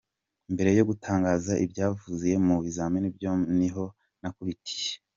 Mbere yo gutangaza ibyavuye mu bizami byombi niho nakubitikiye.